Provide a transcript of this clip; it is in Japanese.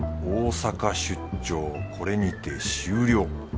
大阪出張これにて終了。